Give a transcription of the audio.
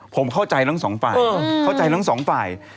ผมเข้าใจทั้งสองฝ่าย